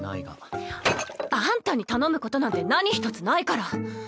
カチャン！あんたに頼むことなんて何一つないから。